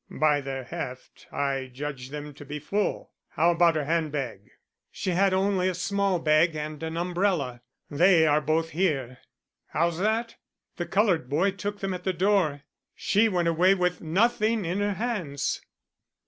"By their heft I judge them to be full; how about her hand bag?" "She had only a small bag and an umbrella. They are both here." "How's that?" "The colored boy took them at the door. She went away with nothing in her hands."